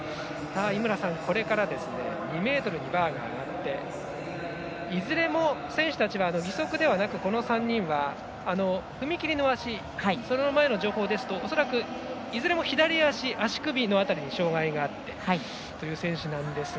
井村さん、これから２ｍにバーが上がっていずれも、選手たちは義足ではなくこの３人は踏み切りの足その前の情報ですと恐らく、いずれも左足足首の辺りに障がいがあってという選手なんですが。